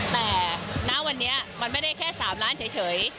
แต่ณวันนี้มันไม่ได้แค่๓ล้านเฉย